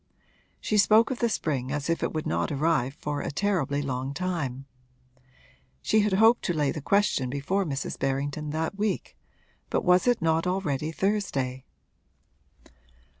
She spoke of the spring as if it would not arrive for a terribly long time. She had hoped to lay the question before Mrs. Berrington that week but was it not already Thursday?